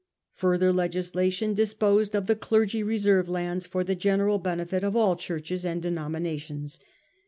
Further legislation disposed of the clergy reserve lands for the general benefit of all churches and denominations.